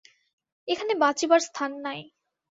এখানে বাঁচিবার স্থান নাই।